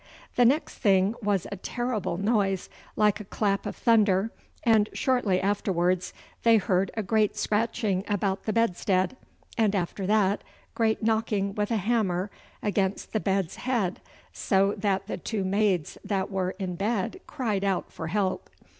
The next thing was a terrible noise, like a clap of thunder, and shortly afterwards they heard a great scratching about the bedstead, and after that great knocking with a hammer against the bed's head, so that the two maids that were in bed cried out for help.